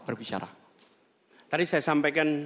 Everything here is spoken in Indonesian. berbicara tadi saya sampaikan